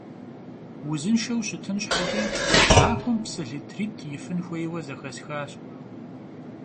Vuzınşşeu şıtın şheç'e maxuem psı litrit' yifın xuêyue zexesxaş.